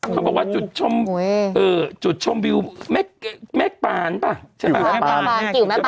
บอกว่าจุดชมวิวแมปานก็ใช่ใช่ไหม